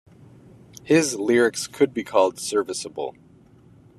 His lyrics could be called serviceable.